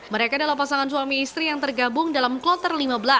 mereka adalah pasangan suami istri yang tergabung dalam kloter lima belas